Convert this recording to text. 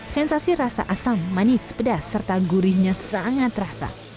sensasi rasa asam manis pedas serta gurihnya sangat terasa